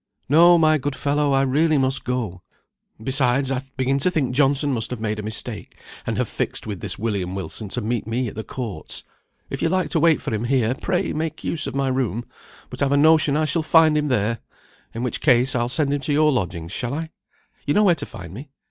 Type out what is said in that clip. "No, my good fellow, I really must go. Besides, I begin to think Johnson must have made a mistake, and have fixed with this William Wilson to meet me at the courts. If you like to wait for him here, pray make use of my room; but I've a notion I shall find him there: in which case, I'll send him to your lodgings; shall I? You know where to find me.